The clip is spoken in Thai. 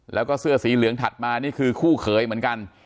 แล้วก็เสื้อสีเหลืองถัดมานี่คือคู่เขยเหมือนกัน